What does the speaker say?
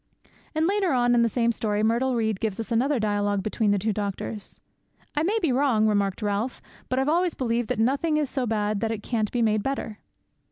"' And later on in the same story Myrtle Reed gives us another dialogue between the two doctors. '"I may be wrong," remarked Ralph, "but I've always believed that nothing is so bad that it can't be made better."